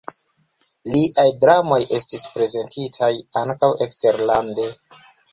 Liaj dramoj estis prezentitaj ankaŭ eksterlande.